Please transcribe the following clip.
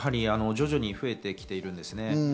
徐々に増えてきているんですね。